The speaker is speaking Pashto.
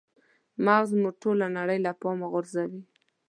مغز مو ټوله نړۍ له پامه غورځوي.